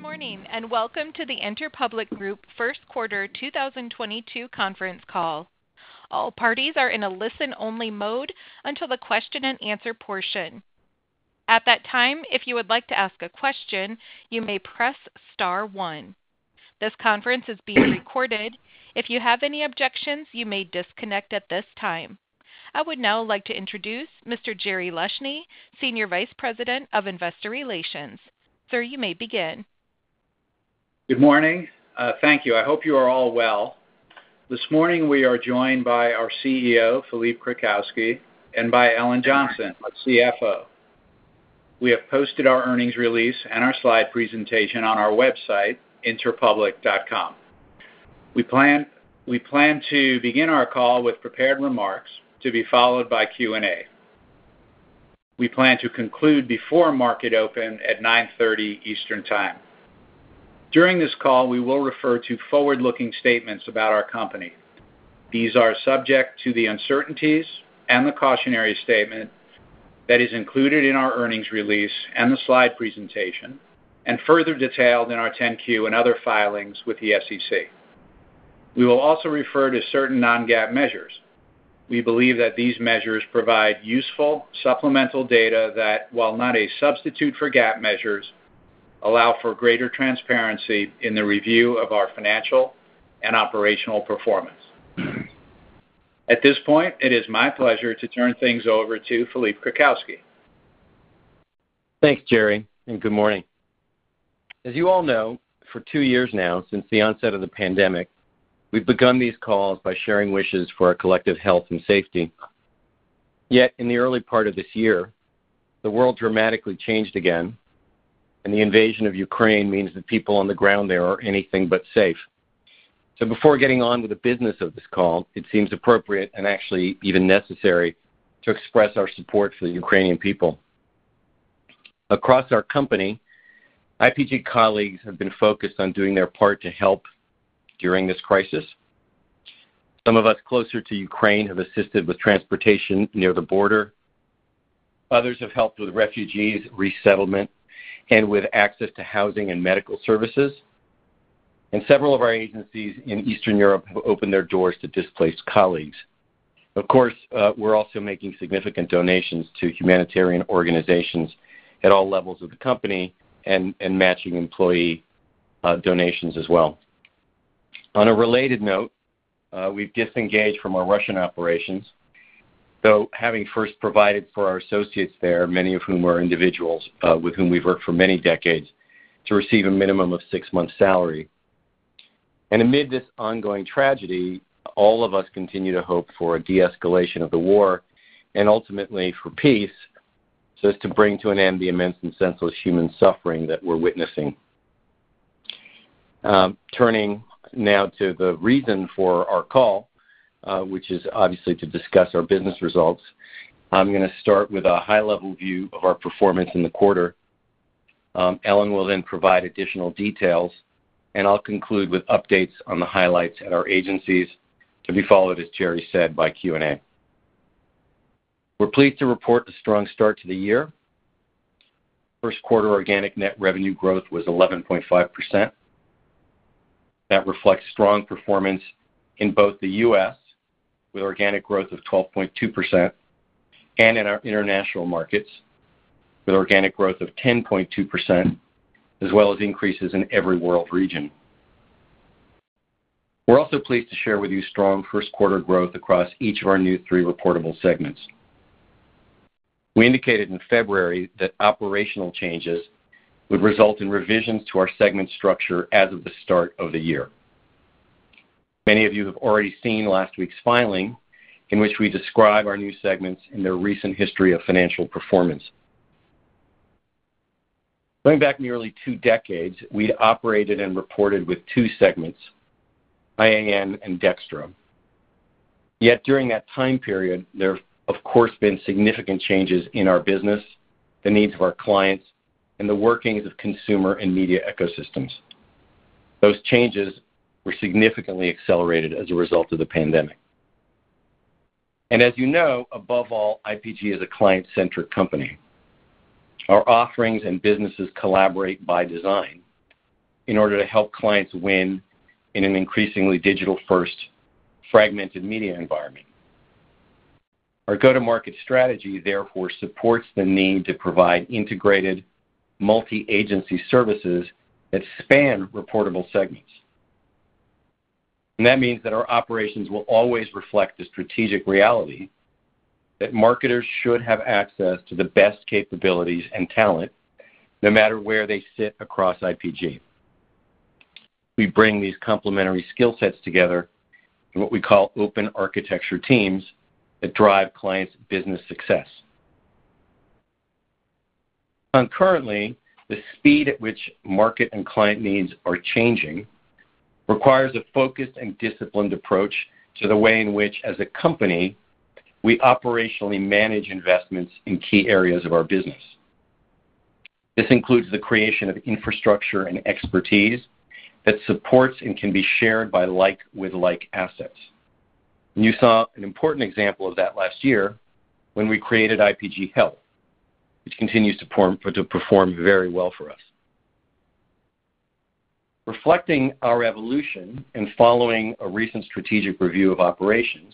Good morning, and welcome to the Interpublic Group First Quarter 2022 conference call. All parties are in a listen-only mode until the question-and-answer portion. At that time, if you would like to ask a question, you may press star one. This conference is being recorded. If you have any objections, you may disconnect at this time. I would now like to introduce Mr. Jerry Leshne, Senior Vice President, Investor Relations. Sir, you may begin. Good morning. Thank you. I hope you are all well. This morning we are joined by our CEO, Philippe Krakowsky, and by Ellen Johnson, our CFO. We have posted our earnings release and our slide presentation on our website, interpublic.com. We plan to begin our call with prepared remarks to be followed by Q&A. We plan to conclude before market open at 9:30 A.M. Eastern Time. During this call, we will refer to forward-looking statements about our company. These are subject to the uncertainties and the cautionary statement that is included in our earnings release and the slide presentation, and further detailed in our 10-Q and other filings with the SEC. We will also refer to certain non-GAAP measures. We believe that these measures provide useful supplemental data that, while not a substitute for GAAP measures, allow for greater transparency in the review of our financial and operational performance. At this point, it is my pleasure to turn things over to Philippe Krakowsky. Thanks, Jerry, and good morning. As you all know, for two years now since the onset of the pandemic, we've begun these calls by sharing wishes for our collective health and safety. Yet in the early part of this year, the world dramatically changed again, and the invasion of Ukraine means the people on the ground there are anything but safe. Before getting on with the business of this call, it seems appropriate and actually even necessary to express our support for the Ukrainian people. Across our company, IPG colleagues have been focused on doing their part to help during this crisis. Some of us closer to Ukraine have assisted with transportation near the border. Others have helped with refugees resettlement and with access to housing and medical services. Several of our agencies in Eastern Europe have opened their doors to displaced colleagues. Of course, we're also making significant donations to humanitarian organizations at all levels of the company and matching employee donations as well. On a related note, we've disengaged from our Russian operations, though having first provided for our associates there, many of whom are individuals with whom we've worked for many decades, to receive a minimum of six months' salary. Amid this ongoing tragedy, all of us continue to hope for a de-escalation of the war and ultimately for peace so as to bring to an end the immense and senseless human suffering that we're witnessing. Turning now to the reason for our call, which is obviously to discuss our business results. I'm gonna start with a high-level view of our performance in the quarter. Ellen will then provide additional details, and I'll conclude with updates on the highlights at our agencies, to be followed, as Jerry said, by Q&A. We're pleased to report a strong start to the year. First quarter organic net revenue growth was 11.5%. That reflects strong performance in both the U.S., with organic growth of 12.2%, and in our international markets, with organic growth of 10.2%, as well as increases in every world region. We're also pleased to share with you strong first quarter growth across each of our new three reportable segments. We indicated in February that operational changes would result in revisions to our segment structure as of the start of the year. Many of you have already seen last week's filing, in which we describe our new segments and their recent history of financial performance. Going back nearly two decades, we operated and reported with two segments, IAN and DXTRA. Yet during that time period, there have of course been significant changes in our business, the needs of our clients, and the workings of consumer and media ecosystems. Those changes were significantly accelerated as a result of the pandemic. As you know, above all, IPG is a client-centric company. Our offerings and businesses collaborate by design in order to help clients win in an increasingly digital-first, fragmented media environment. Our go-to-market strategy therefore supports the need to provide integrated multi-agency services that span reportable segments. That means that our operations will always reflect the strategic reality that marketers should have access to the best capabilities and talent, no matter where they sit across IPG. We bring these complementary skill sets together in what we call open architecture teams that drive clients' business success. Concurrently, the speed at which market and client needs are changing requires a focused and disciplined approach to the way in which, as a company, we operationally manage investments in key areas of our business. This includes the creation of infrastructure and expertise that supports and can be shared by like with like assets. You saw an important example of that last year when we created IPG Health, which continues to perform very well for us. Reflecting our evolution and following a recent strategic review of operations,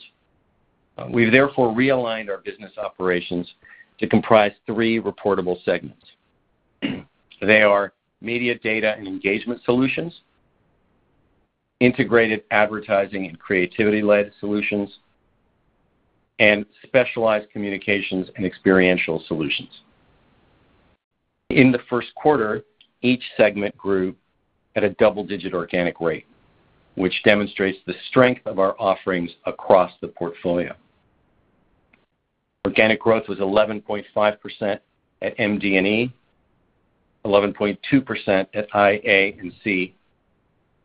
we therefore realigned our business operations to comprise three reportable segments. They are Media, Data & Engagement Solutions, Integrated Advertising & Creativity-Led Solutions, and Specialized Communications & Experiential Solutions. In the first quarter, each segment grew at a double-digit organic rate, which demonstrates the strength of our offerings across the portfolio. Organic growth was 11.5% at MD&E, 11.2% at IA&C,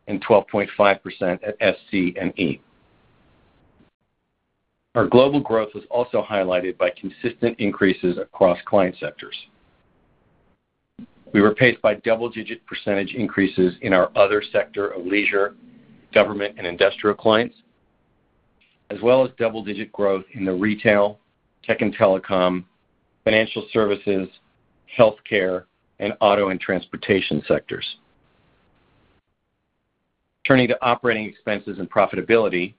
and 12.5% at SC&E. Our global growth was also highlighted by consistent increases across client sectors. We were paced by double-digit percentage increases in our other sector of leisure, government, and industrial clients, as well as double-digit growth in the retail, tech and telecom, financial services, healthcare, and auto and transportation sectors. Turning to operating expenses and profitability,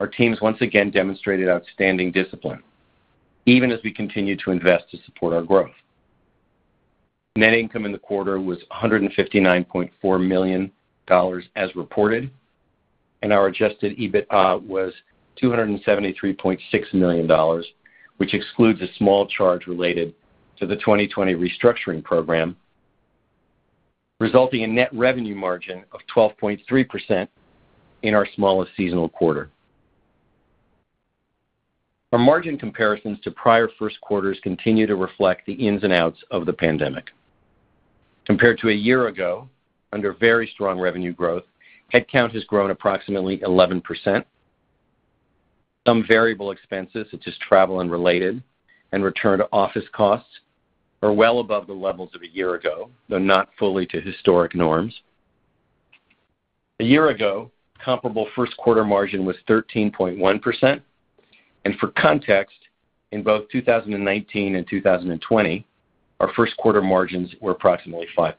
our teams once again demonstrated outstanding discipline, even as we continued to invest to support our growth. Net income in the quarter was $159.4 million as reported, and our adjusted EBITA was $273.6 million, which excludes a small charge related to the 2020 restructuring program, resulting in net revenue margin of 12.3% in our smallest seasonal quarter. Our margin comparisons to prior first quarters continue to reflect the ins and outs of the pandemic. Compared to a year ago, under very strong revenue growth, head count has grown approximately 11%. Some variable expenses, such as travel and related and return to office costs, are well above the levels of a year ago, though not fully to historic norms. A year ago, comparable first quarter margin was 13.1%, and for context, in both 2019 and 2020, our first quarter margins were approximately 5%.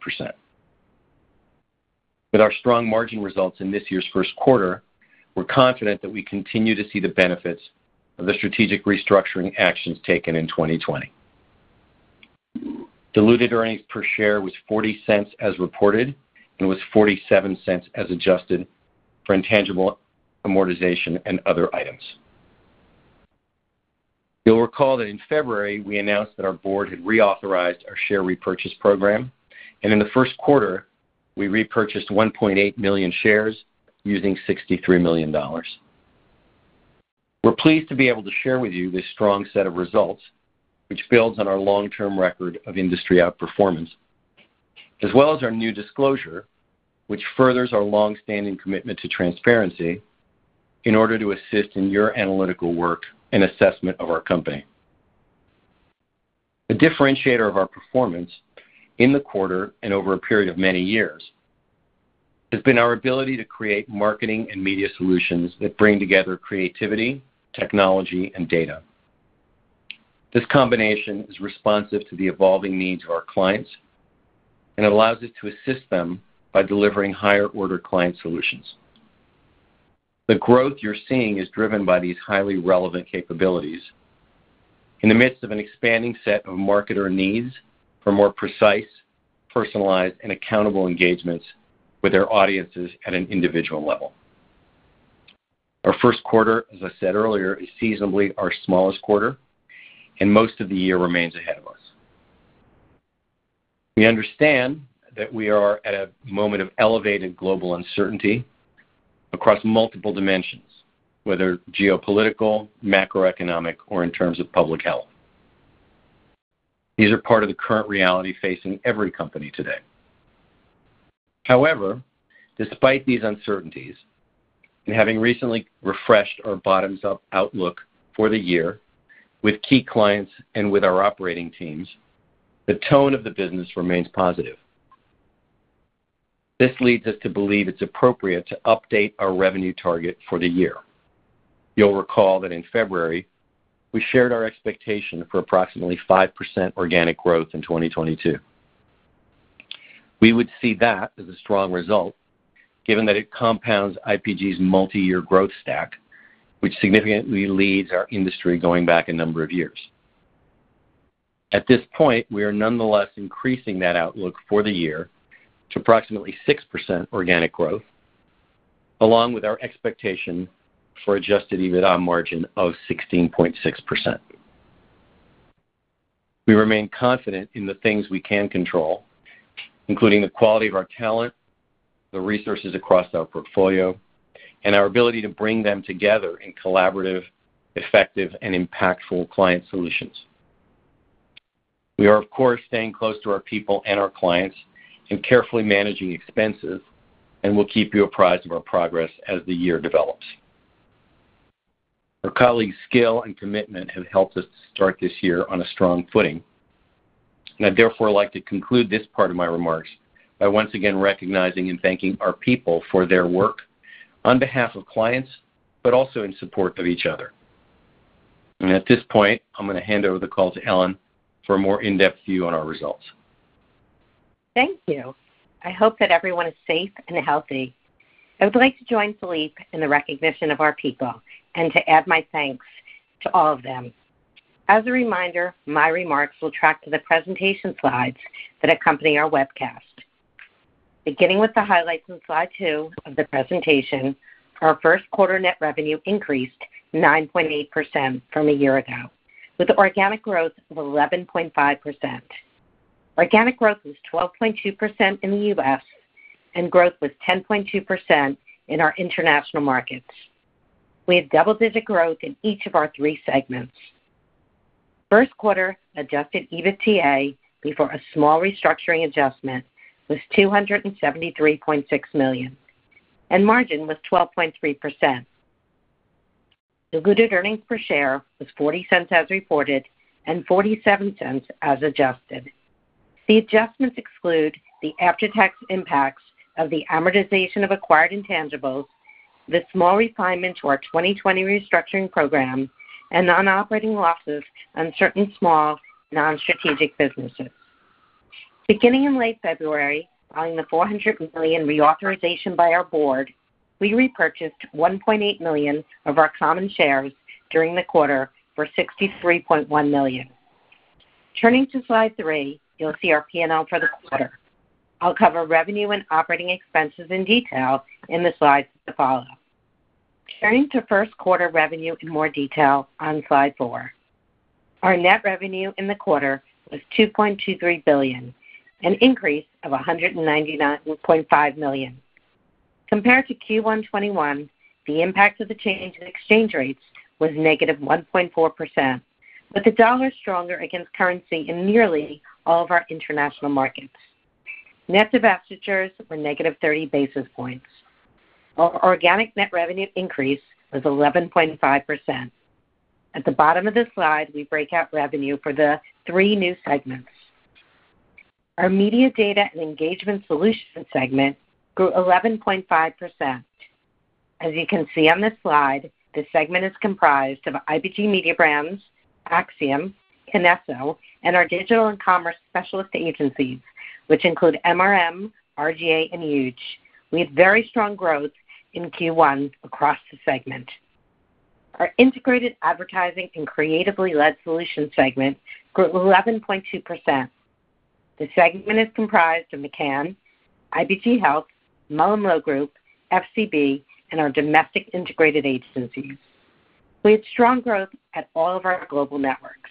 With our strong margin results in this year's first quarter, we're confident that we continue to see the benefits of the strategic restructuring actions taken in 2020. Diluted earnings per share was $0.40 as reported and was $0.47 as adjusted for intangible amortization and other items. You'll recall that in February we announced that our board had reauthorized our share repurchase program, and in the first quarter we repurchased 1.8 million shares using $63 million. We're pleased to be able to share with you this strong set of results, which builds on our long-term record of industry outperformance, as well as our new disclosure, which furthers our long-standing commitment to transparency in order to assist in your analytical work and assessment of our company. The differentiator of our performance in the quarter and over a period of many years has been our ability to create marketing and media solutions that bring together creativity, technology, and data. This combination is responsive to the evolving needs of our clients and allows us to assist them by delivering higher order client solutions. The growth you're seeing is driven by these highly relevant capabilities in the midst of an expanding set of marketer needs for more precise, personalized, and accountable engagements with their audiences at an individual level. Our first quarter, as I said earlier, is seasonally our smallest quarter and most of the year remains ahead of us. We understand that we are at a moment of elevated global uncertainty across multiple dimensions, whether geopolitical, macroeconomic, or in terms of public health. These are part of the current reality facing every company today. However, despite these uncertainties, and having recently refreshed our bottom-up outlook for the year with key clients and with our operating teams, the tone of the business remains positive. This leads us to believe it's appropriate to update our revenue target for the year. You'll recall that in February, we shared our expectation for approximately 5% organic growth in 2022. We would see that as a strong result, given that it compounds IPG's multi-year growth stack, which significantly leads our industry going back a number of years. At this point, we are nonetheless increasing that outlook for the year to approximately 6% organic growth, along with our expectation for adjusted EBITA margin of 16.6%. We remain confident in the things we can control, including the quality of our talent, the resources across our portfolio, and our ability to bring them together in collaborative, effective, and impactful client solutions. We are of course, staying close to our people and our clients and carefully managing expenses, and we'll keep you apprised of our progress as the year develops. Our colleagues' skill and commitment have helped us start this year on a strong footing. I'd therefore like to conclude this part of my remarks by once again recognizing and thanking our people for their work on behalf of clients, but also in support of each other. At this point, I'm gonna hand over the call to Ellen for a more in-depth view on our results. Thank you. I hope that everyone is safe and healthy. I would like to join Philippe in the recognition of our people and to add my thanks to all of them. As a reminder, my remarks will track to the presentation slides that accompany our webcast. Beginning with the highlights on Slide 2 of the presentation, our first quarter net revenue increased 9.8% from a year ago, with organic growth of 11.5%. Organic growth was 12.2% in the U.S., and growth was 10.2% in our international markets. We had double-digit growth in each of our three segments. First quarter adjusted EBITDA before a small restructuring adjustment was $273.6 million, and margin was 12.3%. Diluted earnings per share was $0.40 as reported and $0.47 as adjusted. The adjustments exclude the after-tax impacts of the amortization of acquired intangibles, the small refinement to our 2020 restructuring program, and non-operating losses on certain small non-strategic businesses. Beginning in late February, following the $400 million reauthorization by our board, we repurchased 1.8 million of our common shares during the quarter for $63.1 million. Turning to Slide 3, you'll see our P&L for the quarter. I'll cover revenue and operating expenses in detail in the slides to follow. Turning to first quarter revenue in more detail on Slide 4. Our net revenue in the quarter was $2.23 billion, an increase of $199.5 million. Compared to Q1 2021, the impact of the change in exchange rates was -1.4%, with the dollar stronger against currency in nearly all of our international markets. Net divestitures were negative 30 basis points. Our organic net revenue increase was 11.5%. At the bottom of this slide, we break out revenue for the three new segments. Our Media, Data & Engagement Solutions segment grew 11.5%. As you can see on this slide, this segment is comprised of IPG Mediabrands, Acxiom, Kinesso, and our digital and commerce specialist agencies, which include MRM, R/GA, and Huge. We had very strong growth in Q1 across the segment. Our Integrated Advertising & Creativity Led Solutions segment grew 11.2%. The segment is comprised of McCann, IPG Health, MullenLowe Group, FCB, and our domestic integrated agencies. We had strong growth at all of our global networks.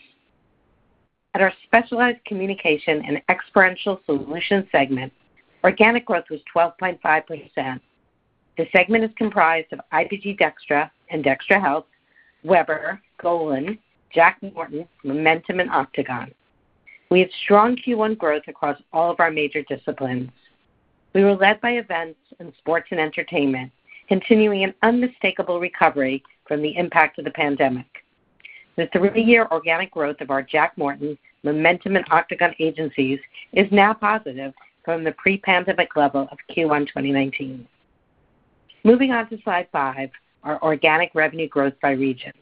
At our Specialized Communications & Experiential Solutions segment, organic growth was 12.5%. The segment is comprised of IPG DXTRA and DXTRA Health, Weber Shandwick, Golin, Jack Morton, Momentum, and Octagon. We had strong Q1 growth across all of our major disciplines. We were led by events in sports and entertainment, continuing an unmistakable recovery from the impact of the pandemic. The three-year organic growth of our Jack Morton, Momentum, and Octagon agencies is now positive from the pre-pandemic level of Q1 2019. Moving on to Slide 5, our organic revenue growth by region.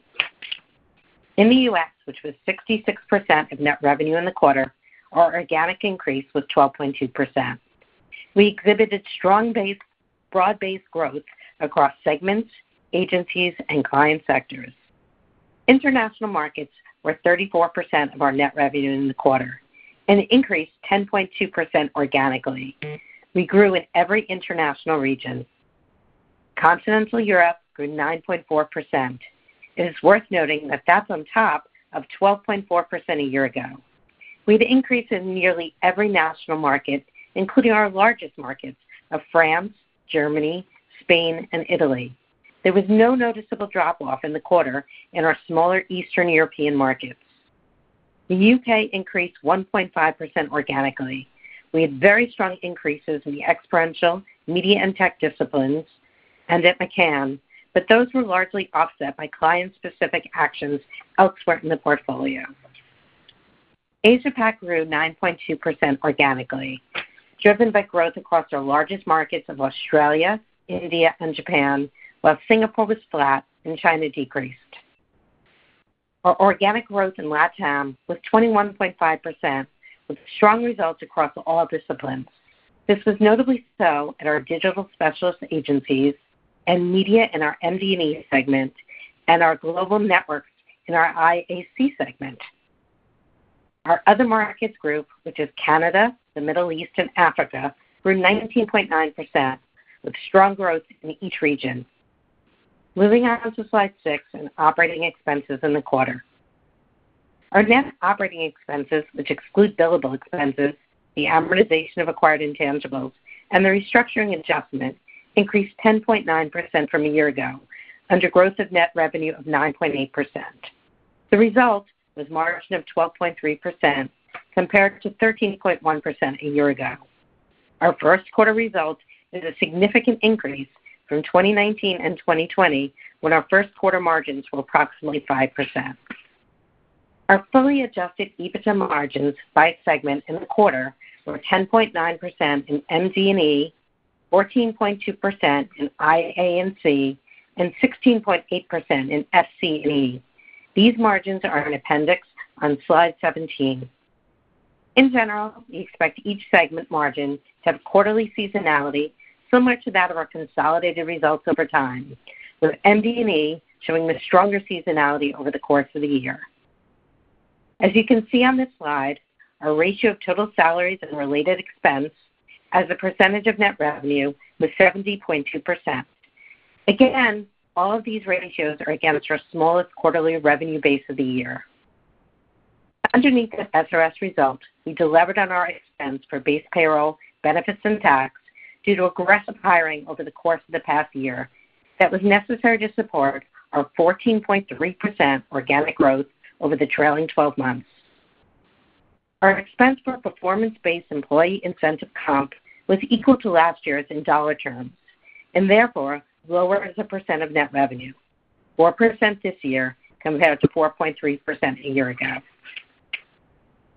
In the U.S., which was 66% of net revenue in the quarter, our organic increase was 12.2%. We exhibited strong broad-based growth across segments, agencies, and client sectors. International markets were 34% of our net revenue in the quarter and increased 10.2% organically. We grew in every international region. Continental Europe grew 9.4%. It is worth noting that that's on top of 12.4% a year ago. We had increase in nearly every national market, including our largest markets of France, Germany, Spain, and Italy. There was no noticeable drop-off in the quarter in our smaller Eastern European markets. The U.K. increased 1.5% organically. We had very strong increases in the experiential media and tech disciplines, and at McCann, but those were largely offset by client-specific actions elsewhere in the portfolio. Asia-Pac grew 9.2% organically, driven by growth across our largest markets of Australia, India, and Japan, while Singapore was flat and China decreased. Our organic growth in LatAm was 21.5% with strong results across all disciplines. This was notably so at our digital specialist agencies and media in our MD&E segment and our global networks in our IA&C segment. Our other markets group, which is Canada, the Middle East, and Africa, grew 19.9% with strong growth in each region. Moving on to Slide 6 in operating expenses in the quarter. Our net operating expenses, which exclude billable expenses, the amortization of acquired intangibles, and the restructuring adjustment, increased 10.9% from a year ago under growth of net revenue of 9.8%. The result was margin of 12.3% compared to 13.1% a year ago. Our first quarter results is a significant increase from 2019 and 2020, when our first quarter margins were approximately 5%. Our fully adjusted EBITDA margins by segment in the quarter were 10.9% in MD&E, 14.2% in IA&C, and 16.8% in SC&E. These margins are in Appendix on Slide 17. In general, we expect each segment margin to have quarterly seasonality similar to that of our consolidated results over time, with MD&E showing the stronger seasonality over the course of the year. As you can see on this slide, our ratio of total salaries and related expense as a percentage of net revenue was 70.2%. Again, all of these ratios are against our smallest quarterly revenue base of the year. Underneath the SC&E result, we delivered on our expense for base payroll, benefits, and tax due to aggressive hiring over the course of the past year that was necessary to support our 14.3% organic growth over the trailing 12 months. Our expense for performance-based employee incentive comp was equal to last year's in dollar terms and therefore lower as a percent of net revenue, 4% this year compared to 4.3% a year ago.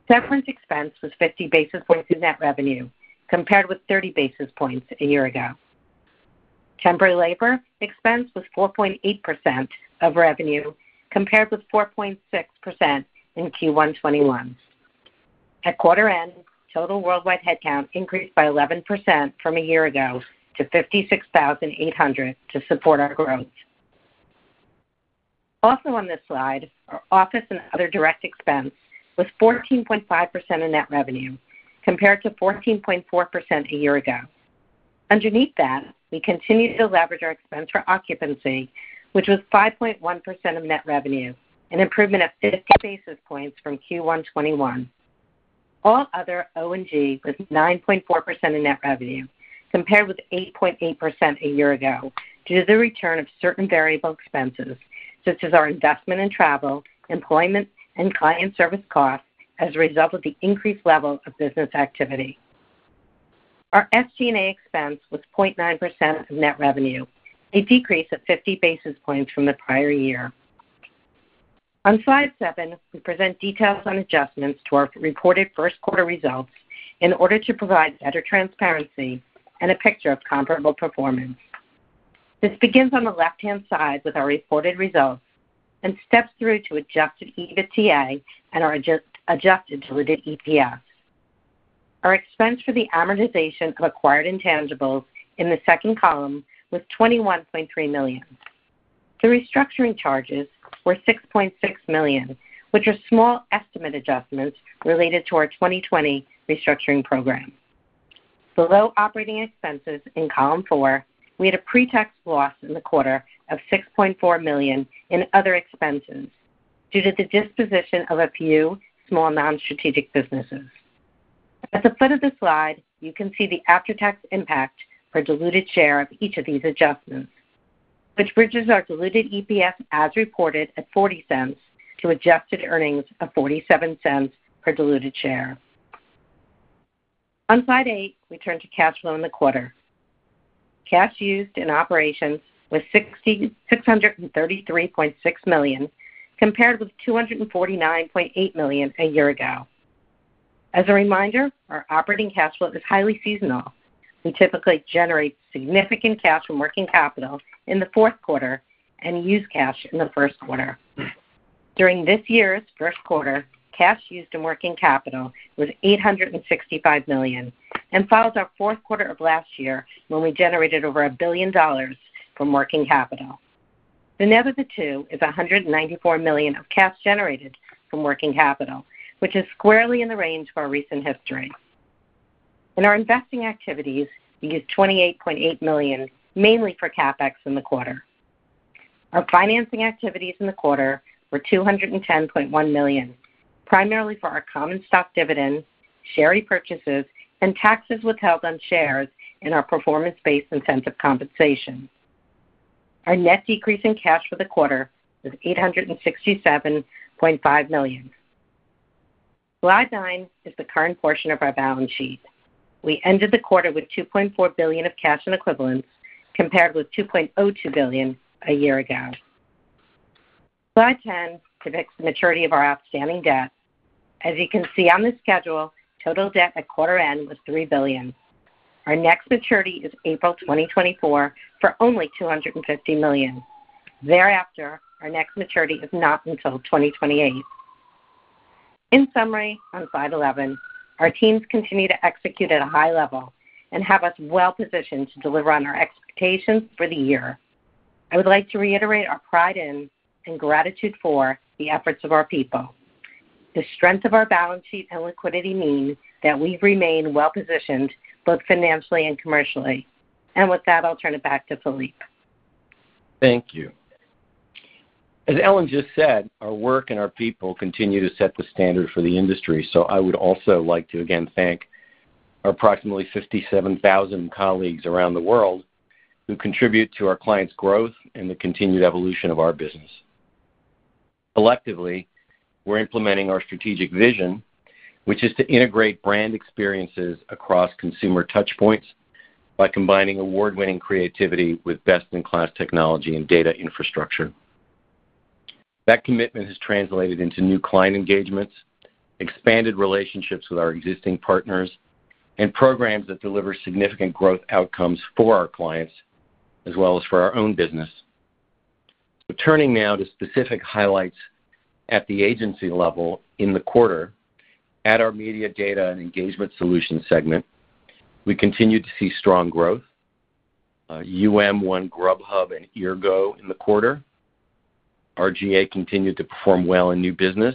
Separation expense was 50 basis points of net revenue, compared with 30 basis points a year ago. Temporary labor expense was 4.8% of revenue, compared with 4.6% in Q1 2021. At quarter end, total worldwide headcount increased by 11% from a year ago to 56,800 to support our growth. Also on this slide, our office and other direct expense was 14.5% of net revenue, compared to 14.4% a year ago. Underneath that, we continue to leverage our expense for occupancy, which was 5.1% of net revenue, an improvement of 50 basis points from Q1 2021. All other O&G was 9.4% of net revenue, compared with 8.8% a year ago due to the return of certain variable expenses such as our investment in travel, employment, and client service costs as a result of the increased level of business activity. Our SG&A expense was 0.9% of net revenue, a decrease of 50 basis points from the prior year. On Slide 7, we present details on adjustments to our reported first quarter results in order to provide better transparency and a picture of comparable performance. This begins on the left-hand side with our reported results and steps through to adjusted EBITDA and our adjusted diluted EPS. Our expense for the amortization of acquired intangibles in the second column was $21.3 million. The restructuring charges were $6.6 million, which are small estimate adjustments related to our 2020 restructuring program. Below operating expenses in column four, we had a pre-tax loss in the quarter of $6.4 million in other expenses due to the disposition of a few small non-strategic businesses. At the foot of the slide, you can see the after-tax impact per diluted share of each of these adjustments, which bridges our diluted EPS as reported at $0.40 to adjusted earnings of $0.47 per diluted share. On Slide 8, we turn to cash flow in the quarter. Cash used in operations was $633.6 million, compared with $249.8 million a year ago. As a reminder, our operating cash flow is highly seasonal. We typically generate significant cash from working capital in the fourth quarter and use cash in the first quarter. During this year's first quarter, cash used in working capital was $865 million and follows our fourth quarter of last year when we generated over $1 billion from working capital. The net of the two is $194 million of cash generated from working capital, which is squarely in the range for our recent history. In our investing activities, we used $28.8 million, mainly for CapEx in the quarter. Our financing activities in the quarter were $210.1 million, primarily for our common stock dividends, share repurchases, and taxes withheld on shares in our performance-based incentive compensation. Our net decrease in cash for the quarter was $867.5 million. Slide 9 is the current portion of our balance sheet. We ended the quarter with $2.4 billion of cash and equivalents, compared with $2.02 billion a year ago. Slide 10 depicts the maturity of our outstanding debt. As you can see on this schedule, total debt at quarter end was $3 billion. Our next maturity is April 2024 for only $250 million. Thereafter, our next maturity is not until 2028. In summary, on Slide 11, our Teams continue to execute at a high level and have us well positioned to deliver on our expectations for the year. I would like to reiterate our pride in and gratitude for the efforts of our people. The strength of our balance sheet and liquidity mean that we remain well-positioned both financially and commercially. With that, I'll turn it back to Philippe Krakowsky. Thank you. As Ellen just said, our work and our people continue to set the standard for the industry, so I would also like to again thank our approximately 57,000 colleagues around the world who contribute to our clients' growth and the continued evolution of our business. Collectively, we're implementing our strategic vision, which is to integrate brand experiences across consumer touchpoints by combining award-winning creativity with best-in-class technology and data infrastructure. That commitment has translated into new client engagements, expanded relationships with our existing partners, and programs that deliver significant growth outcomes for our clients as well as for our own business. Turning now to specific highlights at the agency level in the quarter, at our Media, Data & Engagement Solutions segment, we continued to see strong growth. UM won Grubhub and Eargo in the quarter. R/GA continued to perform well in new business,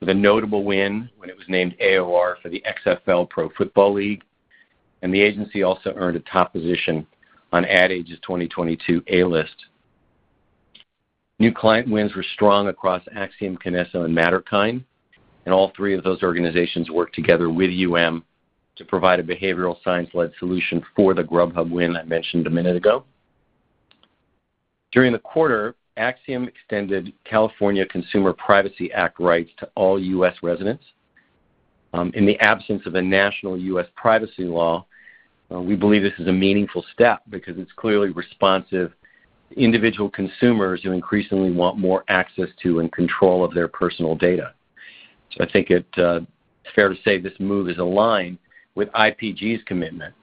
with a notable win when it was named AOR for the XFL Pro Football League, and the agency also earned a top position on Ad Age's 2022 A-List. New client wins were strong across Acxiom, Kinesso, and Matterkind, and all three of those organizations worked together with UM to provide a behavioral science-led solution for the Grubhub win I mentioned a minute ago. During the quarter, Acxiom extended California Consumer Privacy Act rights to all U.S. residents. In the absence of a national U.S. privacy law, we believe this is a meaningful step because it's clearly responsive to individual consumers who increasingly want more access to and control of their personal data. I think it's fair to say this move is aligned with IPG's commitment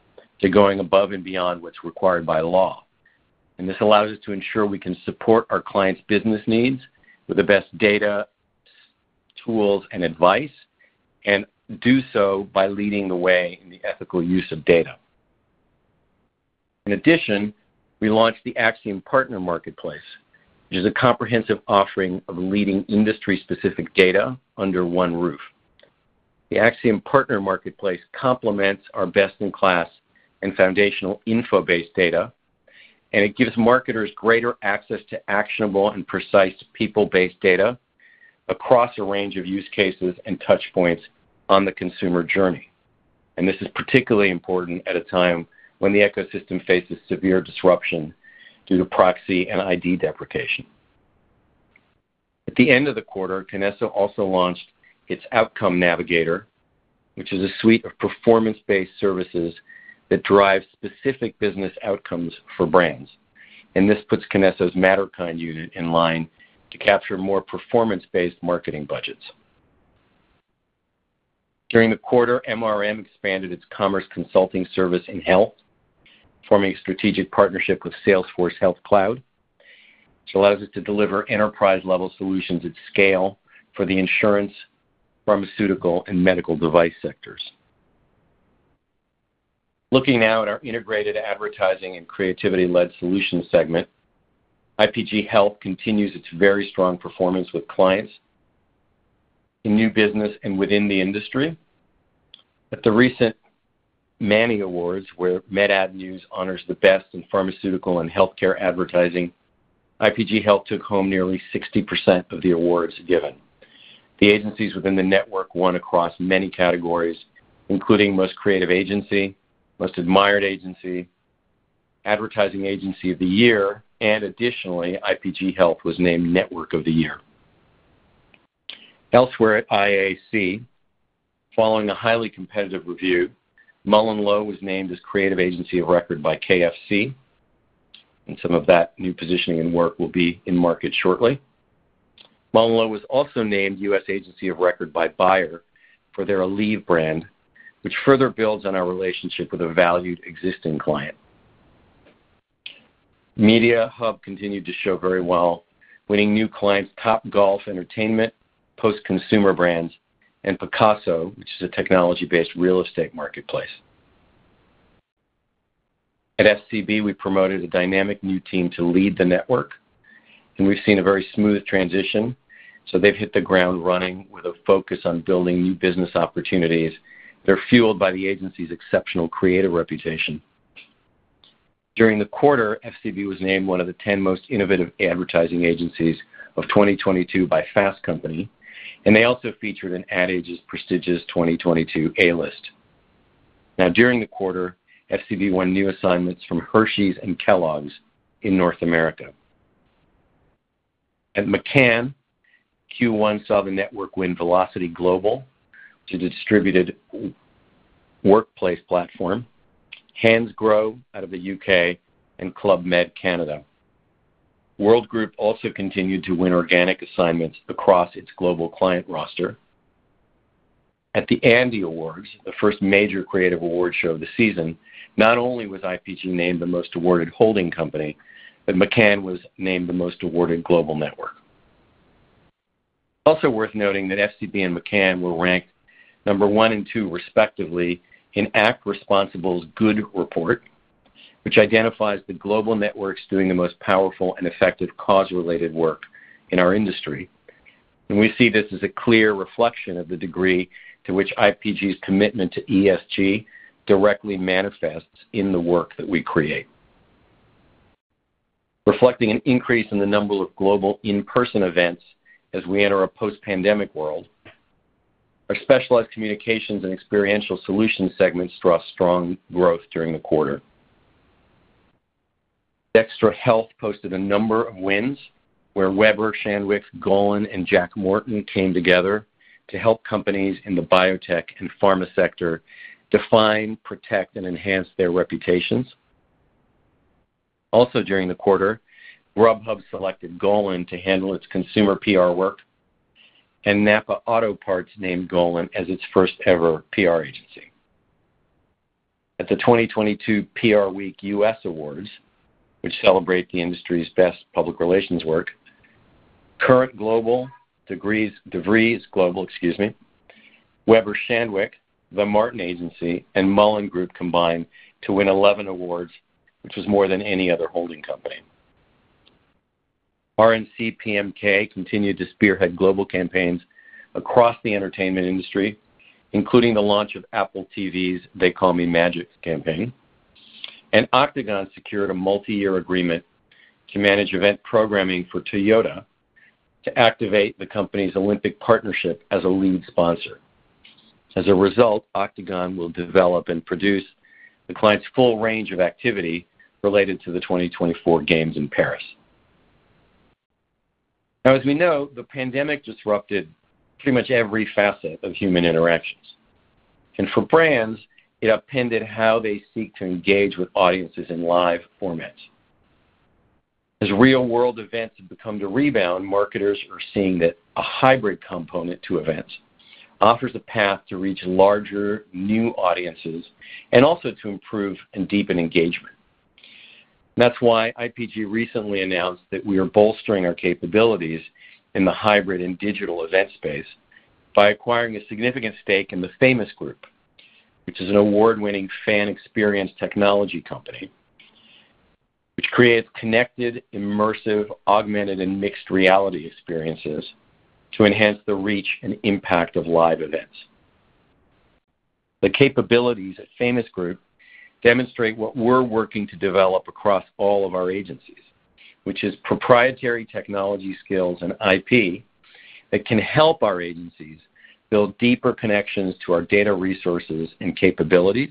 to going above and beyond what's required by law, and this allows us to ensure we can support our clients' business needs with the best data, tools, and advice, and do so by leading the way in the ethical use of data. In addition, we launched the Acxiom Partner Marketplace, which is a comprehensive offering of leading industry-specific data under one roof. The Acxiom Partner Marketplace complements our best-in-class and foundational InfoBase data, and it gives marketers greater access to actionable and precise people-based data across a range of use cases and touchpoints on the consumer journey. This is particularly important at a time when the ecosystem faces severe disruption due to proxy and ID deprecation. At the end of the quarter, Kinesso also launched its Outcome Navigator, which is a suite of performance-based services that drive specific business outcomes for brands. This puts Kinesso's Matterkind unit in line to capture more performance-based marketing budgets. During the quarter, MRM expanded its commerce consulting service in health, forming a strategic partnership with Salesforce Health Cloud, which allows us to deliver enterprise-level solutions at scale for the insurance, pharmaceutical, and medical device sectors. Looking now at our integrated advertising and creativity-led solutions segment, IPG Health continues its very strong performance with clients in new business and within the industry. At the recent Manny Awards, where Med Ad News honors the best in pharmaceutical and healthcare advertising, IPG Health took home nearly 60% of the awards given. The agencies within the network won across many categories, including Most Creative Agency, Most Admired Agency, Advertising Agency of the Year, and additionally, IPG Health was named Network of the Year. Elsewhere at IA&C, following a highly competitive review, MullenLowe was named as Creative Agency of Record by KFC, and some of that new positioning and work will be in market shortly. MullenLowe was also named U.S. Agency of Record by Bayer for their Aleve brand, which further builds on our relationship with a valued existing client. Mediahub continued to show very well, winning new clients Topgolf Entertainment, Post Consumer Brands, and Pacaso, which is a technology-based real estate marketplace. At FCB, we promoted a dynamic new team to lead the network, and we've seen a very smooth transition, so they've hit the ground running with a focus on building new business opportunities. They're fueled by the agency's exceptional creative reputation. During the quarter, FCB was named one of the 10 Most Innovative Advertising Agencies of 2022 by Fast Company, and they also featured in Ad Age's prestigious 2022 A-List. During the quarter, FCB won new assignments from Hershey's and Kellogg's in North America. At McCann, Q1 saw the network win Velocity Global, the distributed workplace platform, Hansgrohe out of the U.K., and Club Med Canada. World Group also continued to win organic assignments across its global client roster. At the ANDY Awards, the first major creative award show of the season, not only was IPG named the Most Awarded Holding Company, but McCann was named the Most Awarded Global Network. Also worth noting that FCB and McCann were ranked number one and two respectively in Act Responsible's Good Report, which identifies the global networks doing the most powerful and effective cause-related work in our industry. We see this as a clear reflection of the degree to which IPG's commitment to ESG directly manifests in the work that we create. Reflecting an increase in the number of global in-person events as we enter a post-pandemic world, our Specialized Communications & Experiential Solutions segments saw strong growth during the quarter. DXTRA Health posted a number of wins where Weber Shandwick, Golin, and Jack Morton came together to help companies in the biotech and pharma sector define, protect, and enhance their reputations. Also during the quarter, Grubhub selected Golin to handle its consumer PR work, and NAPA Auto Parts named Golin as its first ever PR agency. At the 2022 PRWeek U.S. Awards, which celebrate the industry's best public relations work, Current Global, DeVries Global, Weber Shandwick, The Martin Agency, and MullenLowe Group combined to win 11 awards, which was more than any other holding company. R&C PMK continued to spearhead global campaigns across the entertainment industry, including the launch of Apple TV's They Call Me Magic campaign. Octagon secured a multi-year agreement to manage event programming for Toyota to activate the company's Olympic partnership as a lead sponsor. As a result, Octagon will develop and produce the client's full range of activity related to the 2024 games in Paris. Now, as we know, the pandemic disrupted pretty much every facet of human interactions. For brands, it upended how they seek to engage with audiences in live formats. As real-world events have begun to rebound, marketers are seeing that a hybrid component to events offers a path to reach larger, new audiences and also to improve and deepen engagement. That's why IPG recently announced that we are bolstering our capabilities in the hybrid and digital event space by acquiring a significant stake in The Famous Group, which is an award-winning fan experience technology company, which creates connected, immersive, augmented, and mixed reality experiences to enhance the reach and impact of live events. The capabilities at The Famous Group demonstrate what we're working to develop across all of our agencies, which is proprietary technology skills and IP that can help our agencies build deeper connections to our data resources and capabilities,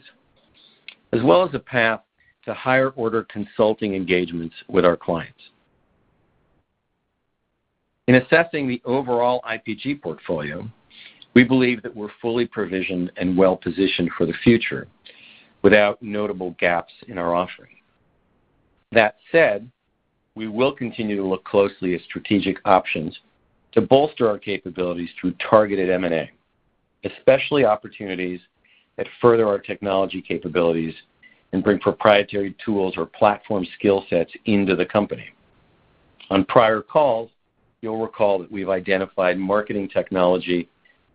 as well as a path to higher order consulting engagements with our clients. In assessing the overall IPG portfolio, we believe that we're fully provisioned and well-positioned for the future without notable gaps in our offering. That said, we will continue to look closely at strategic options to bolster our capabilities through targeted M&A, especially opportunities that further our technology capabilities and bring proprietary tools or platform skill sets into the company. On prior calls, you'll recall that we've identified marketing technology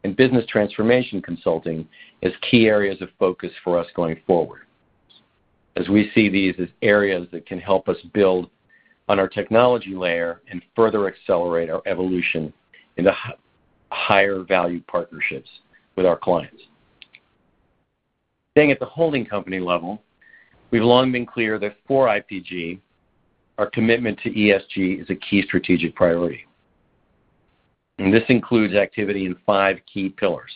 and business transformation consulting as key areas of focus for us going forward, as we see these as areas that can help us build on our technology layer and further accelerate our evolution into higher value partnerships with our clients. Staying at the holding company level, we've long been clear that for IPG, our commitment to ESG is a key strategic priority. This includes activity in five key pillars,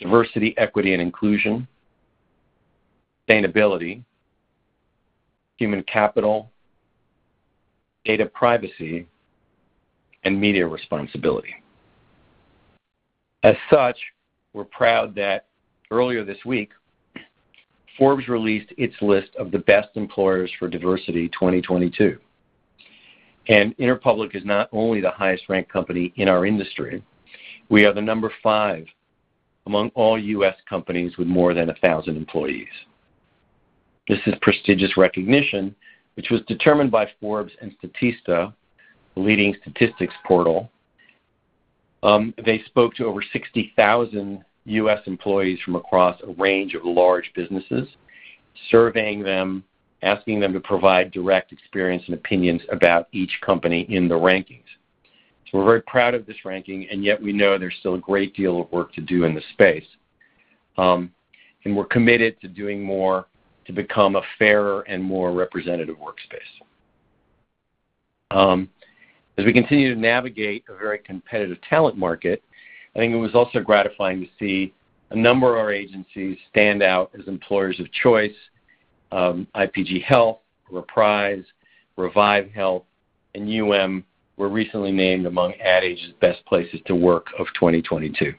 diversity, equity, and inclusion, sustainability, human capital, data privacy, and media responsibility. As such, we're proud that earlier this week, Forbes released its list of the Best Employers for Diversity 2022. Interpublic is not only the highest ranked company in our industry, we are number five among all U.S. companies with more than 1,000 employees. This is prestigious recognition, which was determined by Forbes and Statista, the leading statistics portal. They spoke to over 60,000 U.S. employees from across a range of large businesses, surveying them, asking them to provide direct experience and opinions about each company in the rankings. We're very proud of this ranking, and yet we know there's still a great deal of work to do in this space. We're committed to doing more to become a fairer and more representative workspace. As we continue to navigate a very competitive talent market, I think it was also gratifying to see a number of our agencies stand out as employers of choice. IPG Health, Reprise, Revive Health, and UM were recently named among Ad Age's Best Places to Work of 2022.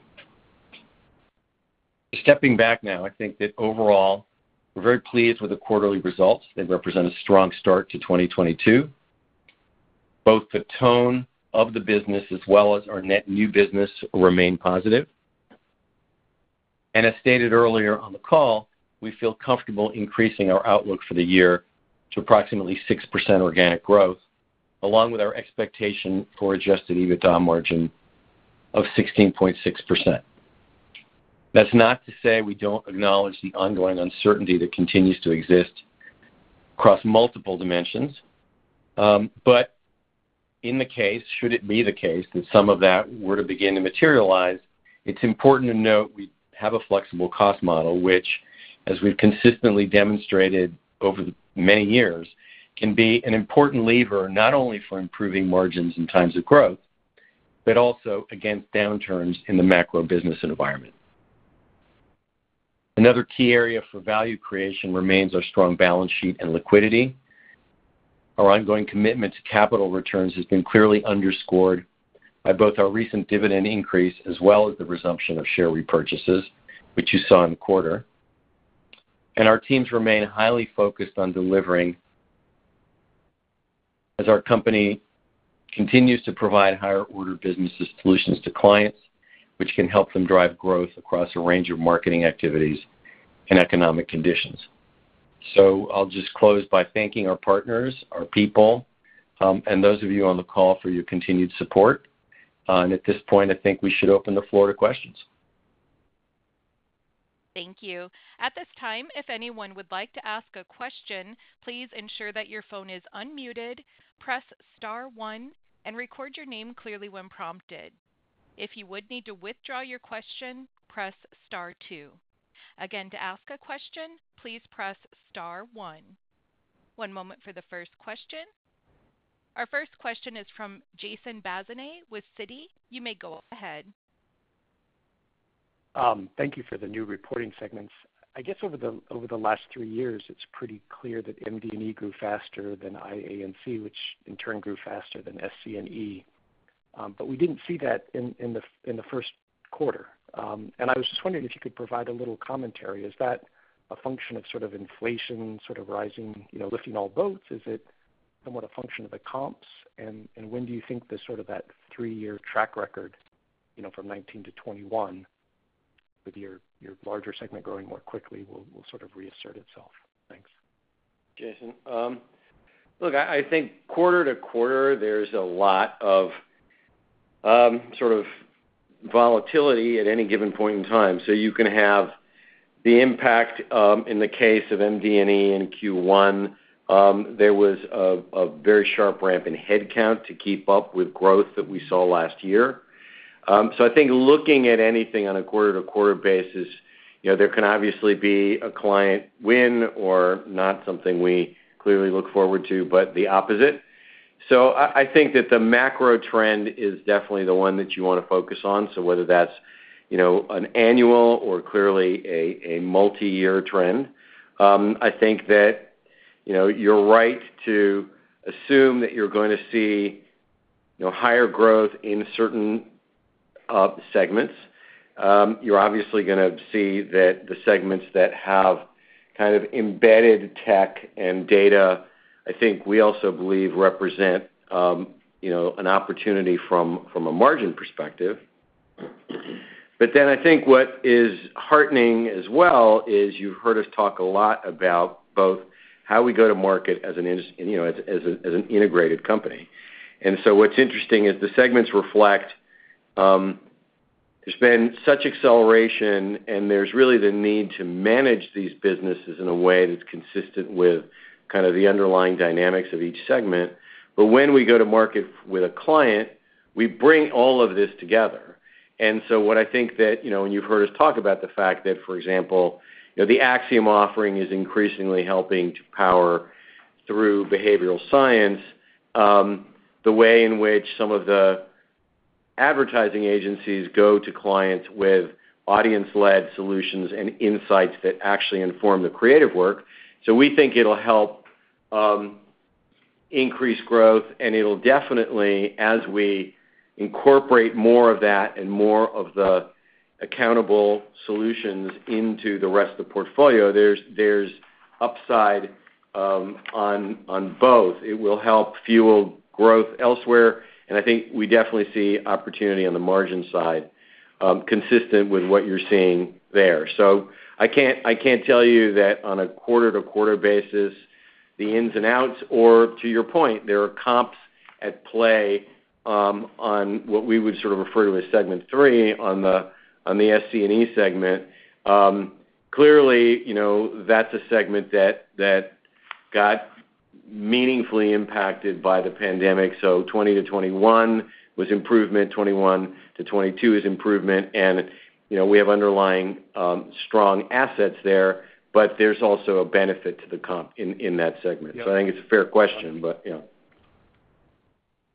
Stepping back now, I think that overall, we're very pleased with the quarterly results. They represent a strong start to 2022. Both the tone of the business as well as our net new business remain positive. As stated earlier on the call, we feel comfortable increasing our outlook for the year to approximately 6% organic growth, along with our expectation for adjusted EBITDA margin of 16.6%. That's not to say we don't acknowledge the ongoing uncertainty that continues to exist across multiple dimensions. In the case, should it be the case that some of that were to begin to materialize, it's important to note we have a flexible cost model, which as we've consistently demonstrated over the many years, can be an important lever, not only for improving margins in times of growth, but also against downturns in the macro business environment. Another key area for value creation remains our strong balance sheet and liquidity. Our ongoing commitment to capital returns has been clearly underscored by both our recent dividend increase as well as the resumption of share repurchases, which you saw in the quarter. Our Teams remain highly focused on delivering as our company continues to provide higher order business solutions to clients, which can help them drive growth across a range of marketing activities and economic conditions. I'll just close by thanking our partners, our people, and those of you on the call for your continued support. At this point, I think we should open the floor to questions. Thank you. At this time, if anyone would like to ask a question, please ensure that your phone is unmuted, press star one, and record your name clearly when prompted. If you would need to withdraw your question, press star two. Again, to ask a question, please press star one. One moment for the first question. Our first question is from Jason Bazinet with Citi. You may go ahead. Thank you for the new reporting segments. I guess over the last three years, it's pretty clear that MD&E grew faster than IA&C, which in turn grew faster than SC&E. But we didn't see that in the first quarter. I was just wondering if you could provide a little commentary. Is that a function of sort of inflation sort of rising, you know, lifting all boats? Is it somewhat a function of the comps? And when do you think the sort of that three-year track record, you know, from 2019-2021 with your larger segment growing more quickly will sort of reassert itself? Thanks. Jason, look, I think quarter-to-quarter, there's a lot of sort of volatility at any given point in time. You can have the impact, in the case of MD&E in Q1, there was a very sharp ramp in headcount to keep up with growth that we saw last year. I think looking at anything on a quarter-to-quarter basis, you know, there can obviously be a client win or not something we clearly look forward to, but the opposite. I think that the macro trend is definitely the one that you wanna focus on. Whether that's, you know, an annual or clearly a multi-year trend, I think that, you know, you're right to assume that you're going to see, you know, higher growth in certain segments. You're obviously gonna see that the segments that have kind of embedded tech and data, I think we also believe represent, you know, an opportunity from a margin perspective. I think what is heartening as well is you've heard us talk a lot about both how we go to market as an integrated company. What's interesting is the segments reflect, there's been such acceleration, and there's really the need to manage these businesses in a way that's consistent with kind of the underlying dynamics of each segment. When we go to market with a client, we bring all of this together. What I think that, you know, and you've heard us talk about the fact that, for example, you know, the Acxiom offering is increasingly helping to power through behavioral science, the way in which some of the advertising agencies go to clients with audience-led solutions and insights that actually inform the creative work. We think it'll help increase growth, and it'll definitely, as we incorporate more of that and more of the accountable solutions into the rest of the portfolio, there's upside on both. It will help fuel growth elsewhere, and I think we definitely see opportunity on the margin side, consistent with what you're seeing there. I can't tell you that on a quarter-to-quarter basis, the ins and outs, or to your point, there are comps at play, on what we would sort of refer to as segment three on the SC&E segment. Clearly, you know, that's a segment that got meaningfully impacted by the pandemic. 2020-2021 was improvement, 2021-2022 is improvement. You know, we have underlying strong assets there, but there's also a benefit to the comp in that segment. I think it's a fair question, but yeah.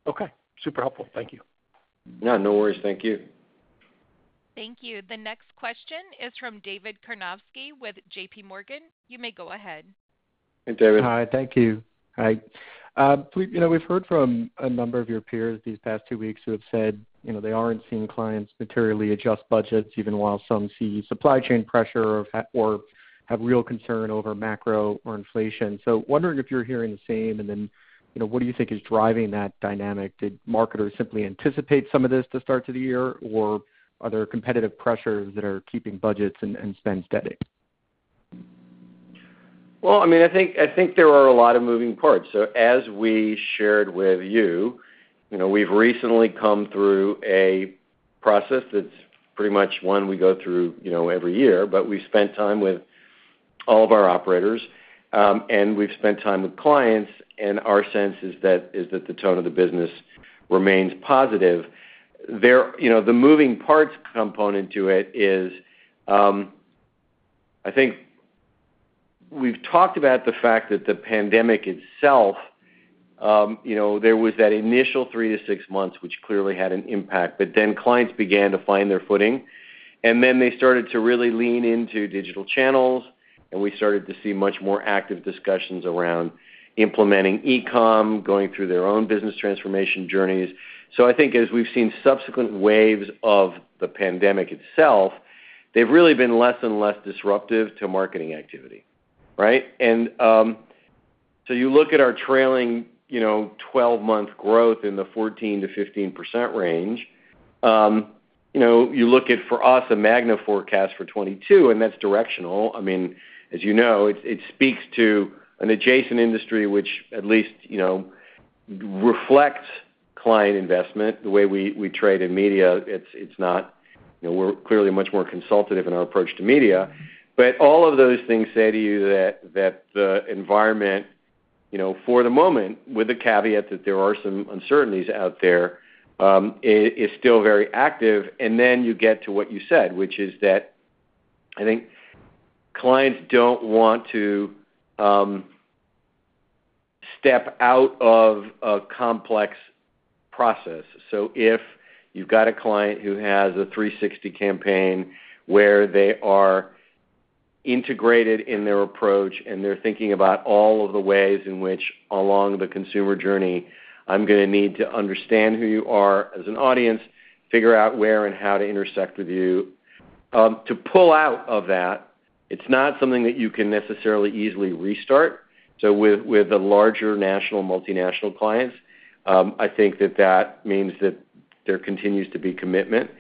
Okay. Super helpful. Thank you. Yeah, no worries. Thank you. Thank you. The next question is from David Karnovsky with JPMorgan. You may go ahead. Hey, David. Hi. Thank you. Hi. You know, we've heard from a number of your peers these past two weeks who have said, you know, they aren't seeing clients materially adjust budgets even while some see supply chain pressure or have real concern over macro or inflation. Wondering if you're hearing the same, and then, you know, what do you think is driving that dynamic? Did marketers simply anticipate some of this at the start of the year, or are there competitive pressures that are keeping budgets and spend steady? Well, I mean, I think there are a lot of moving parts. As we shared with you know, we've recently come through a process that's pretty much one we go through, you know, every year. We spent time with all of our operators, and we've spent time with clients, and our sense is that the tone of the business remains positive. You know, the moving parts component to it is, I think we've talked about the fact that the pandemic itself, you know, there was that initial three to six months, which clearly had an impact, but then clients began to find their footing, and then they started to really lean into digital channels, and we started to see much more active discussions around implementing e-com, going through their own business transformation journeys. I think as we've seen subsequent waves of the pandemic itself, they've really been less and less disruptive to marketing activity, right? You look at our trailing, you know, 12-month growth in the 14%-15% range. You know, you look at, for us, a MAGNA forecast for 2022, and that's directional. I mean, as you know, it speaks to an adjacent industry which at least, you know, reflects client investment. The way we trade in media, it's not. You know, we're clearly much more consultative in our approach to media. All of those things say to you that the environment, you know, for the moment, with the caveat that there are some uncertainties out there, is still very active. You get to what you said, which is that I think clients don't want to step out of a complex process. If you've got a client who has a 360 campaign where they are integrated in their approach, and they're thinking about all of the ways in which along the consumer journey I'm gonna need to understand who you are as an audience, figure out where and how to intersect with you. To pull out of that, it's not something that you can necessarily easily restart. With the larger national, multinational clients, I think that means that there continues to be commitment.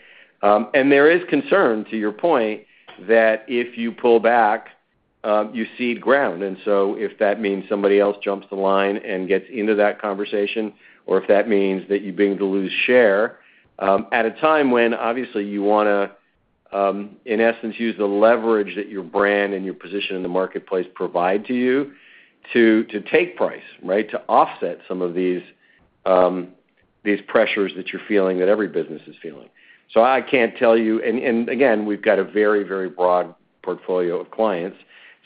There is concern, to your point, that if you pull back, you cede ground. If that means somebody else jumps the line and gets into that conversation, or if that means that you begin to lose share, at a time when obviously you wanna, in essence, use the leverage that your brand and your position in the marketplace provide to you to take price, right? To offset some of these pressures that you're feeling that every business is feeling. I can't tell you. Again, we've got a very broad portfolio of clients.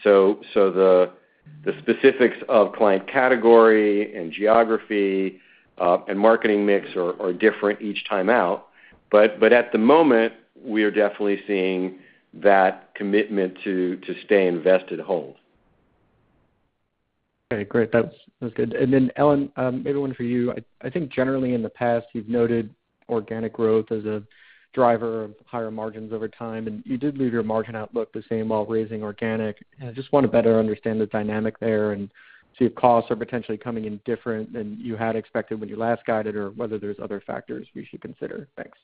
The specifics of client category and geography and marketing mix are different each time out. At the moment, we are definitely seeing that commitment to stay invested hold. Okay, great. That's good. Ellen, maybe one for you. I think generally in the past, you've noted organic growth as a driver of higher margins over time, and you did leave your margin outlook the same while raising organic. I just wanna better understand the dynamic there and see if costs are potentially coming in different than you had expected when you last guided or whether there's other factors we should consider. Thanks.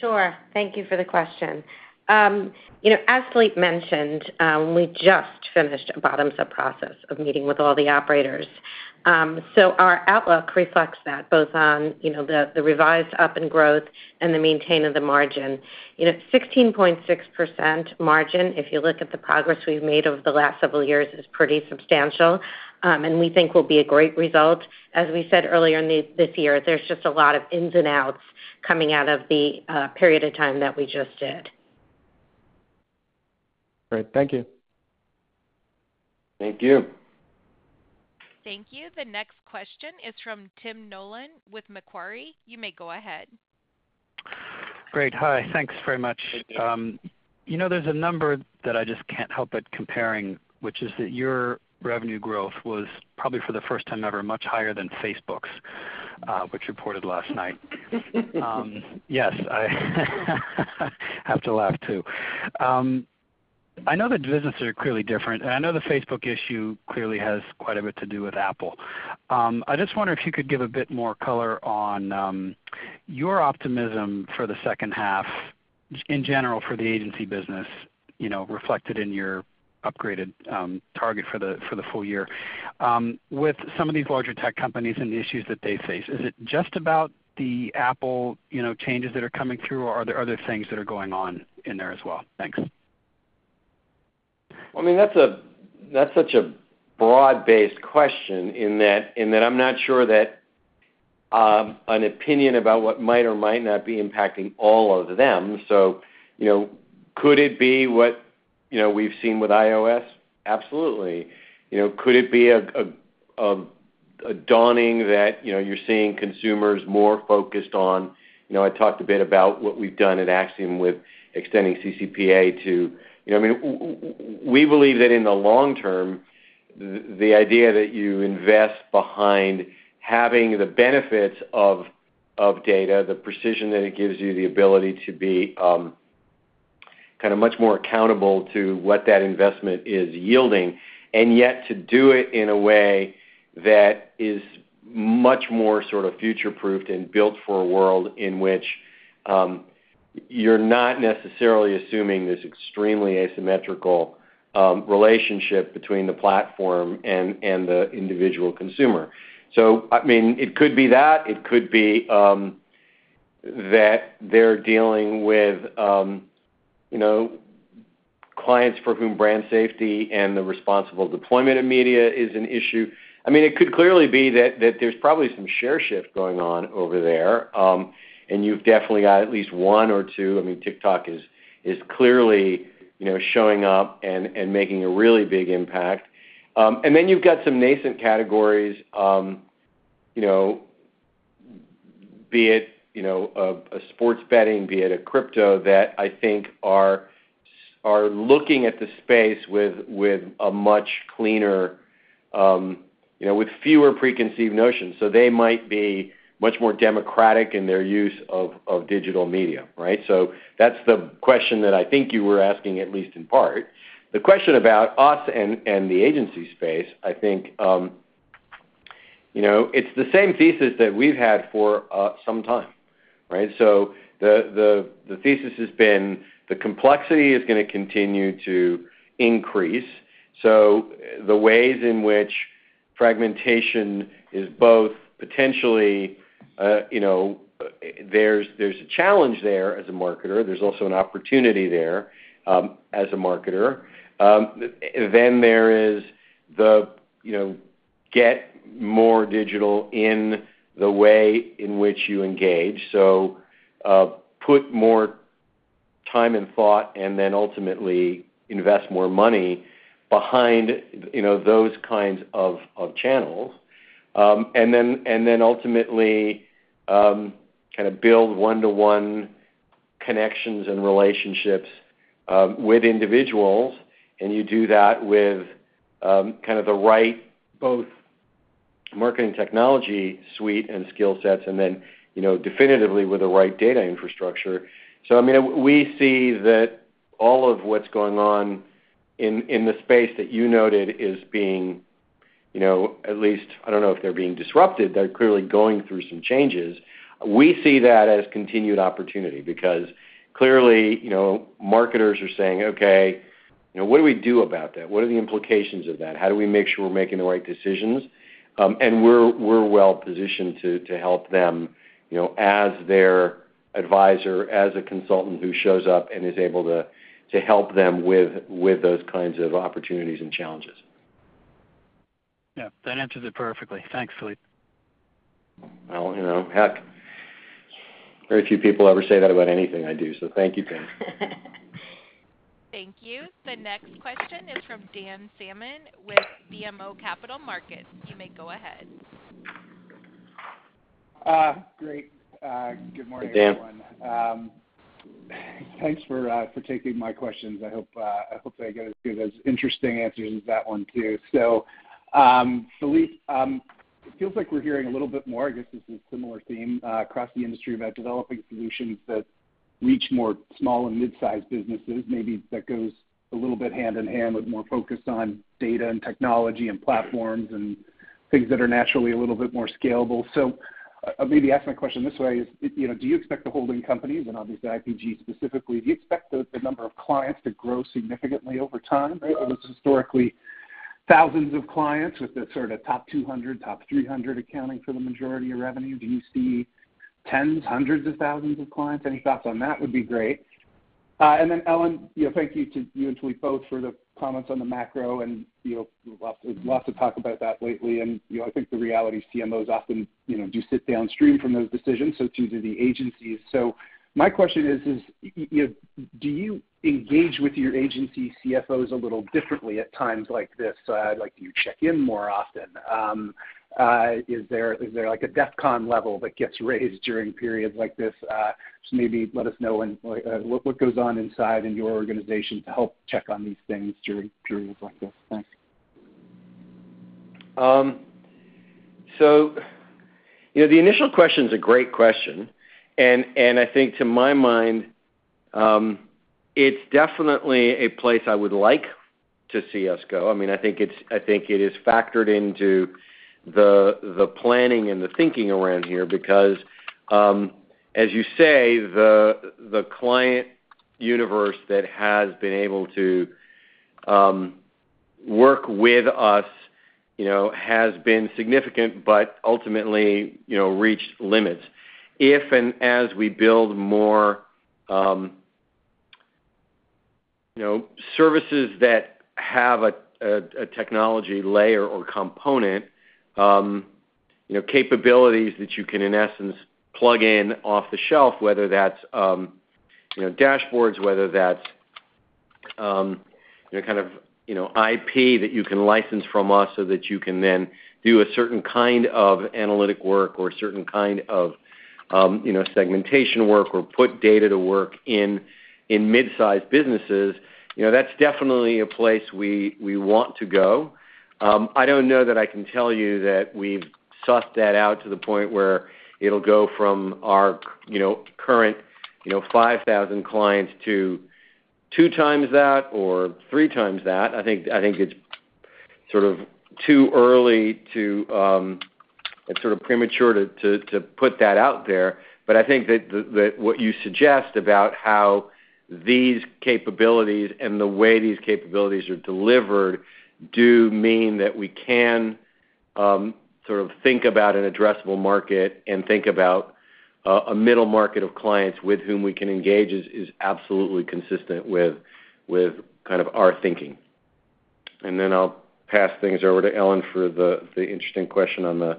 Sure. Thank you for the question. You know, as Philippe mentioned, we just finished a bottoms-up process of meeting with all the operators. Our outlook reflects that, both on, you know, the revised upside in growth and the maintenance of the margin. You know, 16.6% margin, if you look at the progress we've made over the last several years, is pretty substantial, and we think will be a great result. As we said earlier this year, there's just a lot of ins and outs coming out of the period of time that we just did. Great. Thank you. Thank you. Thank you. The next question is from Tim Nollen with Macquarie. You may go ahead. Great. Hi. Thanks very much. Thank you. You know, there's a number that I just can't help but comparing, which is that your revenue growth was probably for the first time ever much higher than Facebook's, which reported last night. Yes, I have to laugh too. I know the businesses are clearly different, and I know the Facebook issue clearly has quite a bit to do with Apple. I just wonder if you could give a bit more color on your optimism for the second half just in general for the agency business, you know, reflected in your upgraded target for the full year. With some of these larger tech companies and the issues that they face, is it just about the Apple, you know, changes that are coming through, or are there other things that are going on in there as well? Thanks. I mean, that's such a broad-based question in that I'm not sure that an opinion about what might or might not be impacting all of them. You know, could it be what we've seen with iOS? Absolutely. You know, could it be a dawning that you're seeing consumers more focused on. You know, I talked a bit about what we've done at Acxiom with extending CCPA to. You know, I mean, we believe that in the long term, the idea that you invest behind having the benefits of data, the precision that it gives you, the ability to be kind of much more accountable to what that investment is yielding, and yet to do it in a way that is much more sort of future-proofed and built for a world in which you're not necessarily assuming this extremely asymmetrical relationship between the platform and the individual consumer. I mean, it could be that. It could be that they're dealing with you know, clients for whom brand safety and the responsible deployment of media is an issue. I mean, it could clearly be that there's probably some share shift going on over there, and you've definitely got at least one or two. I mean, TikTok is clearly, you know, showing up and making a really big impact. You've got some nascent categories. You know, be it a sports betting, be it a crypto that I think are looking at the space with a much cleaner, you know, with fewer preconceived notions. They might be much more democratic in their use of digital media, right? That's the question that I think you were asking, at least in part. The question about us and the agency space, I think, you know, it's the same thesis that we've had for some time, right? The thesis has been the complexity is gonna continue to increase. The ways in which fragmentation is both potentially, you know, there's a challenge there as a marketer, there's also an opportunity there, as a marketer. There is, you know, get more digital in the way in which you engage. Put more time and thought, and then ultimately invest more money behind, you know, those kinds of channels. And then ultimately, kind of build one-to-one connections and relationships, with individuals, and you do that with, kind of the right both marketing technology suite and skill sets, and then, you know, definitively with the right data infrastructure. I mean, we see that all of what's going on in the space that you noted is being, at least. I don't know if they're being disrupted. They're clearly going through some changes. We see that as continued opportunity because clearly, you know, marketers are saying, "Okay, you know, what do we do about that? What are the implications of that? How do we make sure we're making the right decisions?" We're well positioned to help them, you know, as their advisor, as a consultant who shows up and is able to help them with those kinds of opportunities and challenges. Yeah, that answers it perfectly. Thanks, Philippe. Well, you know, heck, very few people ever say that about anything I do, so thank you, Tim. Thank you. The next question is from Dan Salmon with BMO Capital Markets. You may go ahead. Great. Good morning, everyone. Hey, Dan. Thanks for taking my questions. I hope I get as good as interesting answers as that one too. Philippe, it feels like we're hearing a little bit more, I guess this is a similar theme, across the industry about developing solutions that reach more small and mid-sized businesses. Maybe that goes a little bit hand-in-hand with more focus on data and technology and platforms and things that are naturally a little bit more scalable. I'll maybe ask my question this way is, you know, do you expect the holding companies, and obviously IPG specifically, do you expect the number of clients to grow significantly over time? It was historically thousands of clients with the sort of top 200, top 300 accounting for the majority of revenue. Do you see tens, hundreds of thousands of clients? Any thoughts on that would be great. Ellen, you know, thank you to you as we both for the comments on the macro and, you know, lots of talk about that lately. You know, I think the reality CMOs often, you know, do sit downstream from those decisions, so too do the agencies. My question is, you know, do you engage with your agency CFOs a little differently at times like this? Like, do you check in more often? Is there like a DEFCON level that gets raised during periods like this? Maybe let us know when like what goes on inside in your organization to help check on these things during events like this. Thanks. You know, the initial question a great question. I think to my mind, it's definitely a place I would like to see us go. I mean, I think it is factored into the planning and the thinking around here because, as you say, the client universe that has been able to work with us, you know, has been significant, but ultimately, you know, reached limits. If and as we build more, you know, services that have a technology layer or component, you know, capabilities that you can, in essence, plug in off the shelf, whether that's, you know, dashboards, whether that's, you know, kind of, you know, IP that you can license from us so that you can then do a certain kind of analytic work or a certain kind of, you know, segmentation work or put data to work in mid-sized businesses, you know, that's definitely a place we want to go. I don't know that I can tell you that we've sussed that out to the point where it'll go from our, you know, current, you know, 5,000 clients to two times that or three times that. I think it's sort of too early to. It's sort of premature to put that out there. But I think that what you suggest about how these capabilities and the way these capabilities are delivered do mean that we can sort of think about an addressable market and think about a middle market of clients with whom we can engage is absolutely consistent with kind of our thinking. Then I'll pass things over to Ellen for the interesting question on the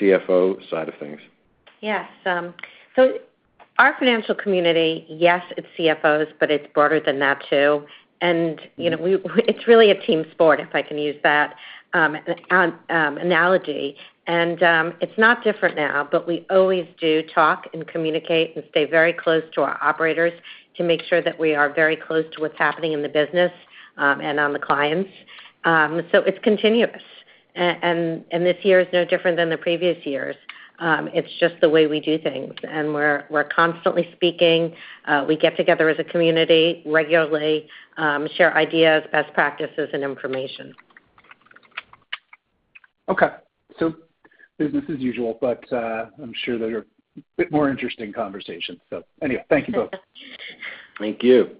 CFO side of things. Yes. Our financial community, yes, it's CFOs, but it's broader than that too. You know, it's really a team sport, if I can use that analogy. It's not different now, but we always do talk and communicate and stay very close to our operators to make sure that we are very close to what's happening in the business and on the clients. It's continuous. This year is no different than the previous years. It's just the way we do things. We're constantly speaking. We get together as a community regularly, share ideas, best practices, and information. Okay. Business as usual, but, I'm sure there are a bit more interesting conversations. Anyway, thank you both. Thank you.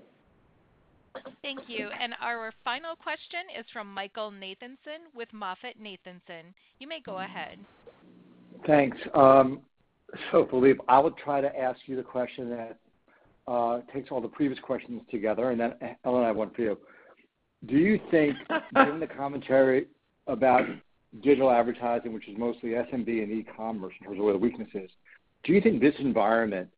Thank you. Our final question is from Michael Nathanson with MoffettNathanson. You may go ahead. Thanks. So Philippe, I will try to ask you the question that takes all the previous questions together, and then, Ellen, I have one for you. Do you think given the commentary about digital advertising, which is mostly SMB and e-commerce in terms of where the weakness is, do you think this environment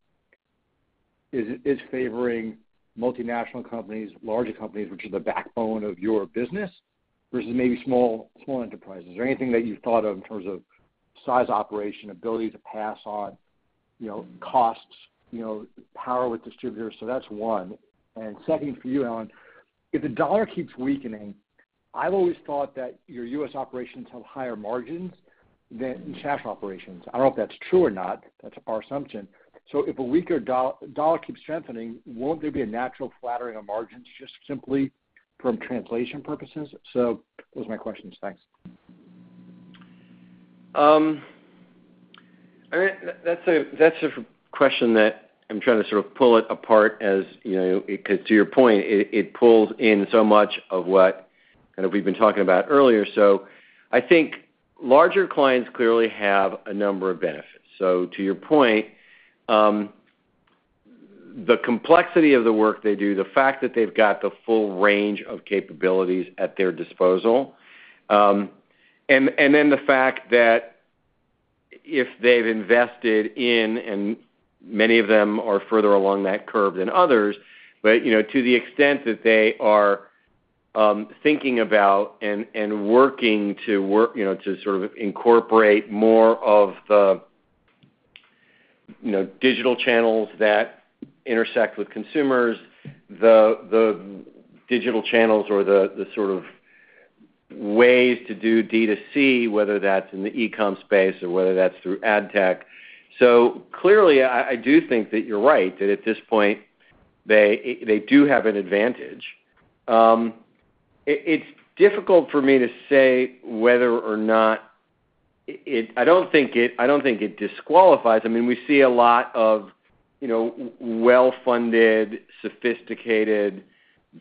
is favoring multinational companies, larger companies, which are the backbone of your business versus maybe small enterprises? Is there anything that you've thought of in terms of size, operation, ability to pass on, you know, costs, you know, power with distributors? That's one. Second for you, Ellen, if the dollar keeps weakening, I've always thought that your U.S. operations have higher margins than international operations. I don't know if that's true or not. That's our assumption. If a weaker dollar keeps strengthening, won't there be a natural flattening of margins just simply from translation purposes? Those are my questions. Thanks. All right. That's a question that I'm trying to sort of pull it apart, you know, because to your point, it pulls in so much of what kind of we've been talking about earlier. I think larger clients clearly have a number of benefits. To your point, the complexity of the work they do, the fact that they've got the full range of capabilities at their disposal, and then the fact that they've invested in, and many of them are further along that curve than others. You know, to the extent that they are, thinking about and working to, you know, to sort of incorporate more of the digital channels that intersect with consumers, the digital channels or the sort of ways to do D2C, whether that's in the e-com space or whether that's through ad tech. Clearly I do think that you're right, that at this point they do have an advantage. It's difficult for me to say whether or not it disqualifies. I don't think it disqualifies. I mean, we see a lot of, you know, well-funded, sophisticated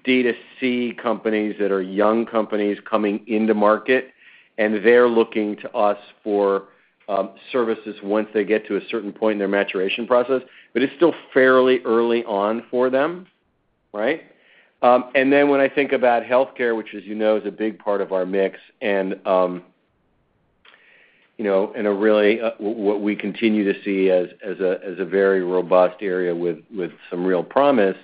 D2C companies that are young companies coming into market, and they're looking to us for services once they get to a certain point in their maturation process. It's still fairly early on for them, right? When I think about healthcare, which, as you know, is a big part of our mix and, you know, what we continue to see as a very robust area with some real promise.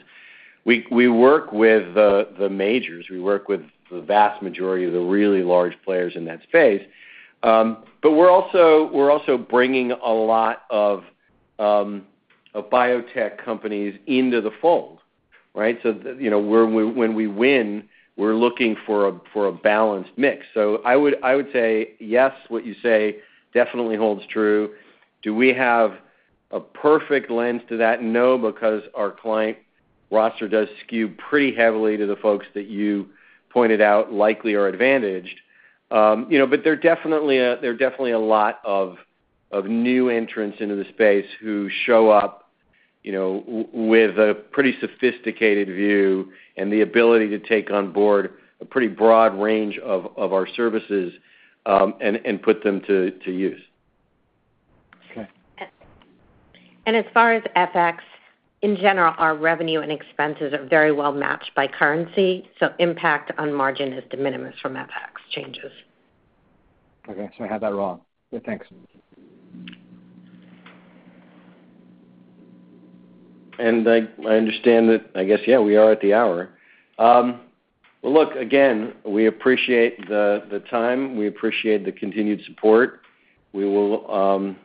We work with the majors. We work with the vast majority of the really large players in that space. We're also bringing a lot of biotech companies into the fold, right? You know, when we win, we're looking for a balanced mix. I would say yes, what you say definitely holds true. Do we have a perfect lens to that? No, because our client roster does skew pretty heavily to the folks that you pointed out likely are advantaged. You know, there are definitely a lot of new entrants into the space who show up, you know, with a pretty sophisticated view and the ability to take on board a pretty broad range of our services, and put them to use. Okay. As far as FX, in general, our revenue and expenses are very well matched by currency, so impact on margin is de minimis from FX changes. Okay, I had that wrong. Yeah, thanks. I understand that, I guess, yeah, we are at the hour. Well, look, again, we appreciate the time. We appreciate the continued support. We will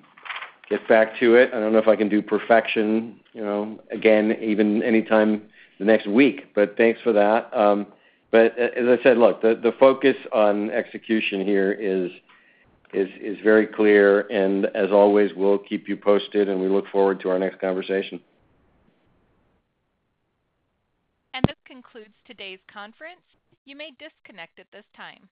get back to it. I don't know if I can do perfection, you know, again, even anytime the next week, but thanks for that. As I said, look, the focus on execution here is very clear. As always, we'll keep you posted, and we look forward to our next conversation. This concludes today's conference. You may disconnect at this time.